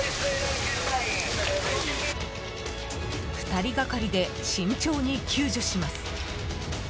２人がかりで慎重に救助します。